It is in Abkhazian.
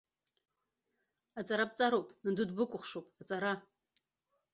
Аҵара бҵароуп, нанду дбыкәыхшоуп, аҵара.